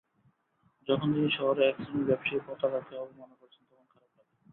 যখন দেখি, শহরে একশ্রেণির ব্যবসায়ী পতাকাকে অবমাননা করছেন, তখন খারাপ লাগে।